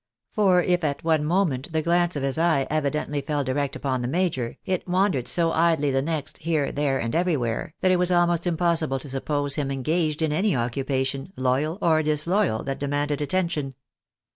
For if at one moment the glance of his eye evidently fell direct upon the major, it wandered so idly the next, here, there, and everywhere, that it was almost impossible to suppose him engaged in any occupation, loyal or disloyal, that demanded attention.